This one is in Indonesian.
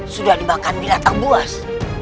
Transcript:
sudah dimakan binatang buas